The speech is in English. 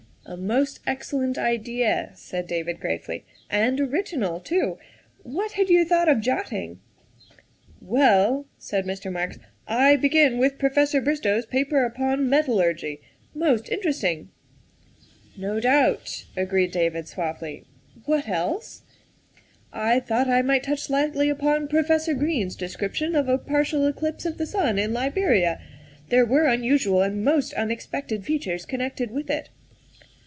"A most excellent idea," said David gravely, " and original too. What had you thought of jotting?" " Well," said Mr. Marks, " I begin with Professor Bristow's paper upon metallurgy. Most interesting." " No doubt," agreed David suavely. " What else?" " I thought I might touch lightly upon Professor Green's description of a partial eclipse of the sun in Liberia ; there were unusual and most unexpected feat ures connected with it."